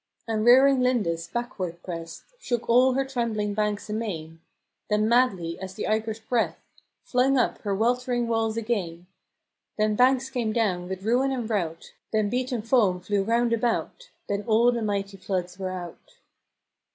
\ And rearing Lindis backward pressed, Shook all her trembling bankes amaine: Then madly at the eygre's breast Flung uppe her weltering walls again. Then bankes came downe with ruin and rout — Then beaten foam flew round about — Then all the mighty floods were out.